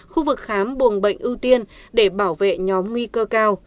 khu vực khám buồng bệnh ưu tiên để bảo vệ nhóm nguy cơ cao